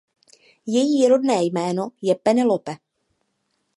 Její rodné jméno je Penelope.